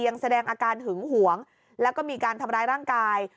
แสดงอาการหึงหวงแล้วก็มีการทำร้ายร่างกาย